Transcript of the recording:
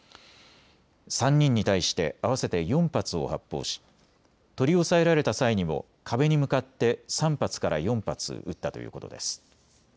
３人に対して合わせて４発を発砲し取り押さえられた際にも壁に向かって３発から４発撃ったということです。